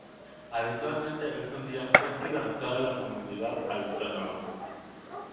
Habitualmente es un día festivo en toda la Comunidad Autónoma.